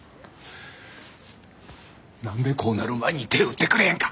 何でこうなる前に手打ってくれへんかったんや。